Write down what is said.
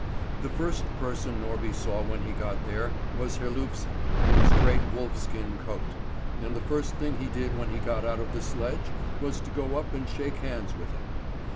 The first person Norby saw when he got there was Herlufsen, in his great wolf skin coat; and the first thing he did when he got out of the sledge was to go up and shake hands with him.